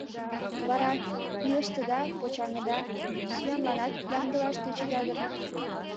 Вара илыштыда, почаҥыда, сӱанланат ямдылаш тӧчеда дыр?